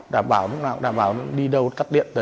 đảm bảo đi đâu tắt điện